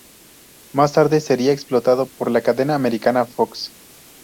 Más tarde sería explotado por la cadena americana Fox.